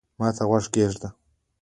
ما ته غوږ کېږده